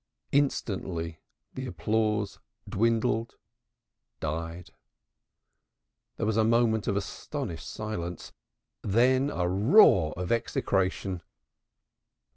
Instantly the applause dwindled, died; there was a moment of astonished silence, then a roar of execration.